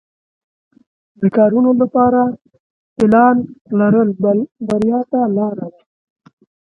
د کارونو لپاره پلان لرل بریا ته لار ده.